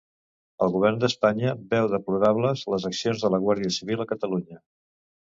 El govern d'Espanya veu deplorables les accions de la Guàrdia Civil a Catalunya